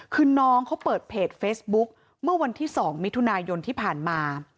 คือน้องเขาเปิดเพจเฟซบุ๊กเมื่อวันที่๒มิถุนายนที่ผ่านมา